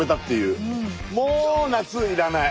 もう夏いらない。